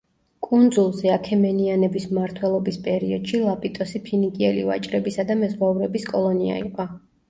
კუნძულზე აქემენიანების მმართველობის პერიოდში ლაპიტოსი ფინიკიელი ვაჭრებისა და მეზღვაურების კოლონია იყო.